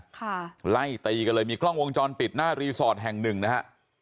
ค่ะไล่ตีกันเลยมีกล้องวงจรปิดหน้ารีสอร์ทแห่งหนึ่งนะฮะ